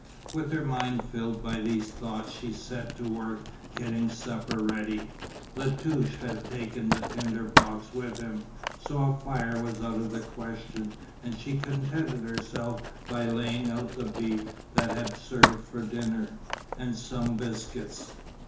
With her mind filled by these thoughts she set to work getting supper ready. La Touche had taken the tinder box with him, so a fire was out of the question and she contented herself by laying out the beef that had served for dinner, and some biscuits.